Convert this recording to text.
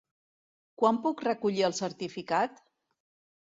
Quan puc recollir el certificat?